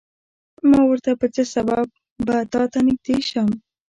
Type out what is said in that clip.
ما ورته په څه سبب به تاته نږدې شم.